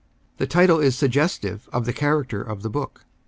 The title is suggestive of the character of the book.